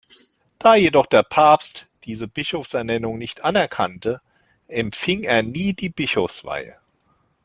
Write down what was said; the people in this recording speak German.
Da jedoch der Papst diese Bischofsernennung nicht anerkannte, empfing er nie die Bischofsweihe.